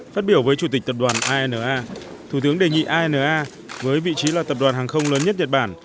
phát biểu với chủ tịch tập đoàn ina thủ tướng đề nghị ina với vị trí là tập đoàn hàng không lớn nhất nhật bản